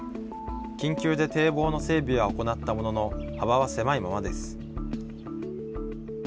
緊急で堤防の整備は行ったものの幅は狭いままです。